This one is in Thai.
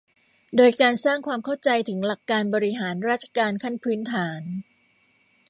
โดยการสร้างความเข้าใจถึงหลักการบริหารราชการขั้นพื้นฐาน